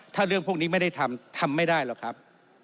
ถ้าเรื่องพวกนี้ไม่ได้ทำทำไม่ได้หรอกครับ